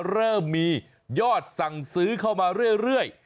เริ่มมียอดสั่งซื้อเข้ามาเรื่อย